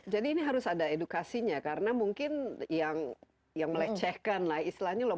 jadi ini harus ada edukasinya karena mungkin yang melecehkan lah istilahnya loh